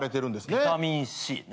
ビタミンＣね。